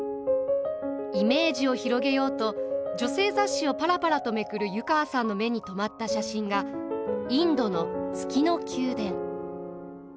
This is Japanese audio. イメージを広げようと女性雑誌をパラパラとめくる湯川さんの目に留まった写真がインドの「月の宮殿」。